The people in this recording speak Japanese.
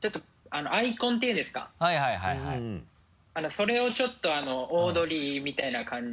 それをちょっとオードリーみたいな感じ。